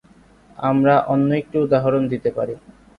আমরা অন্য একটি উদাহরণ দিতে পারি।